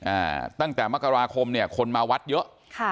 อ่าตั้งแต่มกราคมเนี่ยคนมาวัดเยอะค่ะ